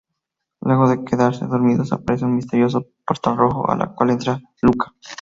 Luego de quedarse dormidos, aparece un misterioso portal rojo, al cual entra Lucca.